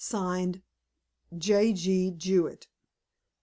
Signed. J. G. Jewett."